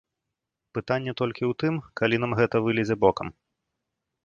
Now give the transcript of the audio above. Пытанне толькі ў тым, калі нам гэта вылезе бокам.